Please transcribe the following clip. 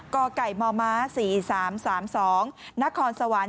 ก่อไก่มอม้า๔๓๓๒นครสวรรค์